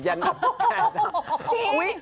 จริง